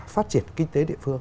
phát triển kinh tế địa phương